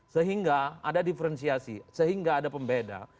sehingga ada diferensiasi sehingga ada pembeda